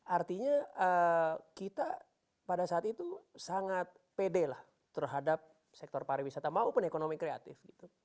artinya kita pada saat itu sangat pede lah terhadap sektor pariwisata maupun ekonomi kreatif gitu